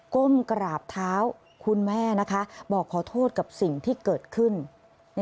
ก้มกราบเท้าคุณแม่นะคะบอกขอโทษกับสิ่งที่เกิดขึ้น